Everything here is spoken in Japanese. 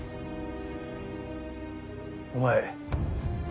お前